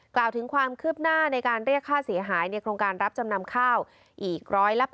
กล่าวถึงความคืบหน้าในการเรียกค่าเสียหายในโครงการรับจำนำข้าวอีก๑๘๐